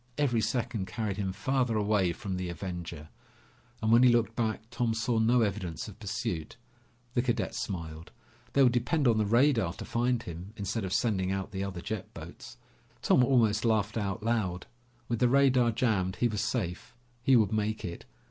Every second carried him farther away from the Avenger, and when he looked back, Tom saw no evidence of pursuit. The cadet smiled. They would depend on the radar to find him, instead of sending out the other jet boats. Tom almost laughed out loud. With the radar jammed, he was safe. He would make it.